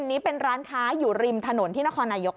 อันนี้เป็นร้านค้าอยู่ริมถนนที่นครนายก